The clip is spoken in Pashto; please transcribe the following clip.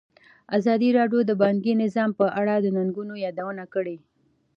ازادي راډیو د بانکي نظام په اړه د ننګونو یادونه کړې.